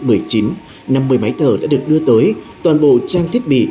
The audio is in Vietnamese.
năm mươi máy thở đã được đưa tới toàn bộ trang thiết bị